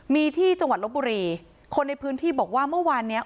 มีที่จังหวัดลบบุรีคนในพื้นที่บอกว่าเมื่อวานเนี้ย